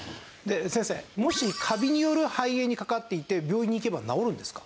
先生もしカビによる肺炎にかかっていて病院に行けば治るんですか？